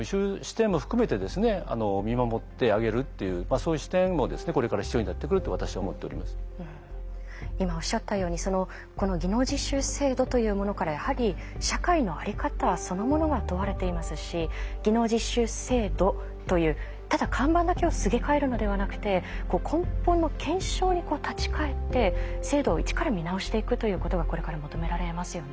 そういう形で企業のほうもあるいは我々も今おっしゃったようにこの技能実習制度というものからやはり社会の在り方そのものが問われていますし技能実習制度というただ看板だけをすげ替えるのではなくて根本の検証に立ち返って制度を一から見直していくということがこれから求められますよね。